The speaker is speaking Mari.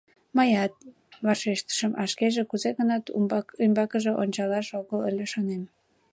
— Мыят, — вашештышым, а шкеже кузе-гынат ӱмбакыже ончалаш огыл ыле, шонем.